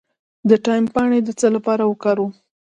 د تایم پاڼې د څه لپاره وکاروم؟